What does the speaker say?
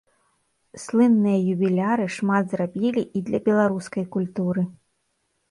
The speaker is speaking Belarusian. Слынныя юбіляры шмат зрабілі і для беларускай культуры.